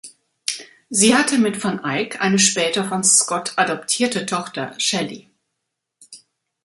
Sie hatte mit van Eyck eine später von Scott adoptierte Tochter, Shelly.